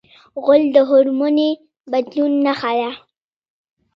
غول د هورموني بدلون نښه ده.